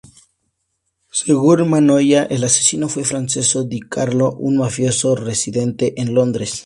Según Mannoia el asesino fue Francesco Di Carlo, un mafioso residente en Londres.